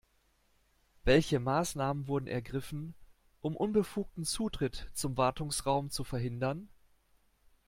Welche Maßnahmen wurden ergriffen, um unbefugten Zutritt zum Wartungsraum zu verhindern?